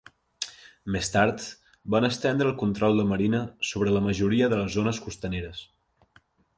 Més tard, van estendre el control de Merina sobre la majoria de les zones costaneres.